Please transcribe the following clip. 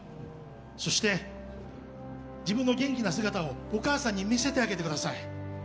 そして、自分の元気な姿をお母さんに見せてあげてください。